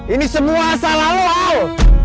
ini semua salah lo al